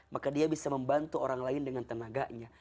maka dia bisa membantu orang lain dengan tenaganya